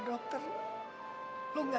loh kok tidak kandung lah